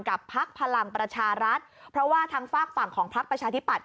พักพลังประชารัฐเพราะว่าทางฝากฝั่งของพักประชาธิปัตย